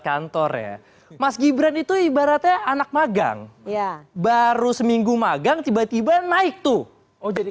kantor ya mas gibran itu ibaratnya anak magang ya baru seminggu magang tiba tiba naik tuh oh jadi